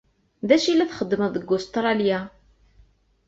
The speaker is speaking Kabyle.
D acu i la txeddmeḍ deg Ustṛalya?